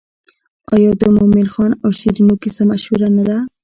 آیا د مومن خان او شیرینو کیسه مشهوره نه ده؟